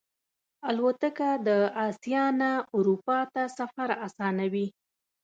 الوتکه د آسیا نه اروپا ته سفر آسانوي.